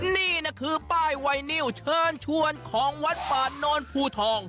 นี่นะคือป้ายไวนิวเชิญชวนของวัดป่าโนนภูทอง